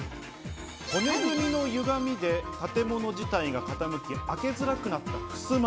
骨組みのゆがみで建物自体が傾き、開けづらくなったふすま。